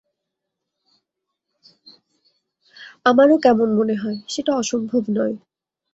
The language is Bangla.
আমারও কেমন মনে হয়, সেটা অসম্ভব নয়।